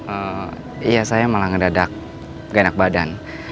oh iya saya malah ngedadak gak enak badan